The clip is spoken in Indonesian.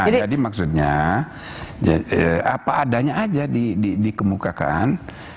nah jadi maksudnya apa adanya aja dikemukakan